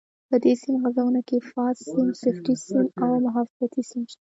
په دې سیم غځونه کې فاز سیم، صفري سیم او حفاظتي سیم شته.